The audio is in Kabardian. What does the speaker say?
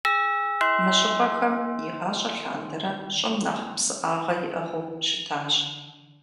Мы щӏыпӏэхэм, игъащӏэ лъандэрэ, щӏым нэхъ псыӏагъэ иӏыгъыу щытащ.